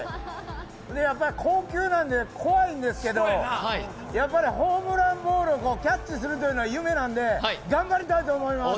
硬球なんで怖いんですけど、ホームランボールをキャッチするというのが夢なんで、頑張りたいと思います。